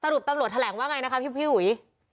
รุปตำรวจแถลงว่าไงนะคะพี่อุ๋ย